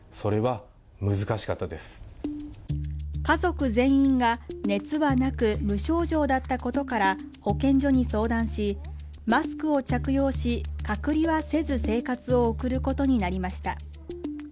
家族全員が熱はなく無症状だったことから保健所に相談しマスクを着用し隔離はせず生活を送ることになりました